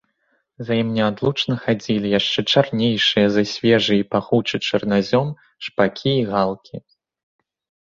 За ім неадлучна хадзілі яшчэ чарнейшыя за свежы і пахучы чарназём шпакі і галкі.